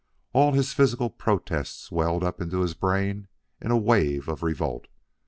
All this physical protest welled up into his brain in a wave of revolt.